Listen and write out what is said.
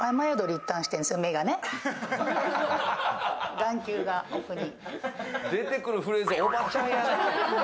眼球が奥に。